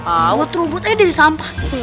awet rumputnya dari sampah